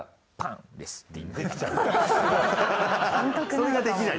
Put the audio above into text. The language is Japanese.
それができない。